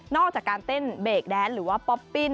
อกจากการเต้นเบรกแดนหรือว่าป๊อปปิ้น